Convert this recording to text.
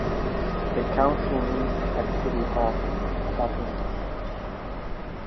The council meets at City Hall, Dublin.